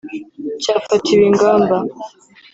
cyafatiwe ingamba